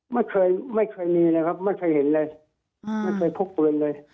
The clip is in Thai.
ไม่เคยไม่เคยมีเลยครับไม่เคยเห็นเลยไม่เคยพกปืนเลย